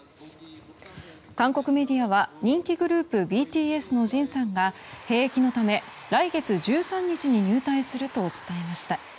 韓国メディアは人気グループＢＴＳのジンさんが兵役のため、来月１３日に入隊すると伝えました。